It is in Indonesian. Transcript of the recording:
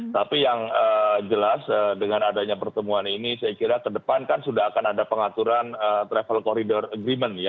tapi yang jelas dengan adanya pertemuan ini saya kira ke depan kan sudah akan ada pengaturan travel corridor agreement ya